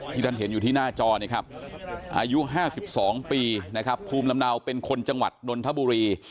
ที่ท่านเห็นอยู่ที่หน้าจออายุ๕๒ปีภูมิลำเนาเป็นคนจังหวัดดนทบุรี